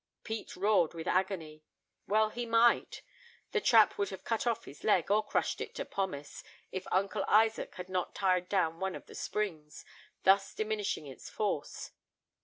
Pete roared with agony. Well he might; the trap would have cut off his leg, or crushed it to pomace, if Uncle Isaac had not tied down one of the springs, thus diminishing its force.